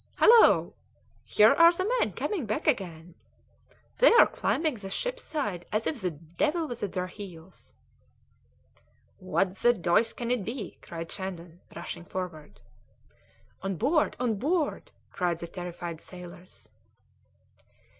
"Hallo! Here are the men coming back again. They are climbing the ship's side as if the devil was at their heels." "What the deuce can it be?" cried Shandon, rushing forward. "On board! On board!" cried the terrified sailors.